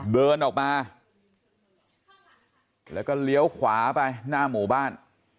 เดินออกมาแล้วก็เลี้ยวขวาไปหน้าหมู่บ้าน